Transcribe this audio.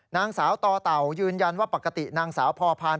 นางสาวต่อเต่ายืนยันว่าปกตินางสาวพอพาน